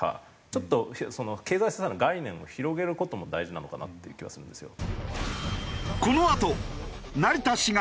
ちょっとその経済制裁の概念を広げる事も大事なのかなっていう気はするんですよ。